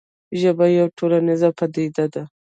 ژبه یوه ټولنیزه پدیده ده.